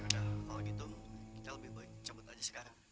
kalau gitu kita lebih baik cabut aja sekarang